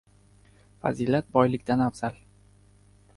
• Fazilat boylikdan afzal.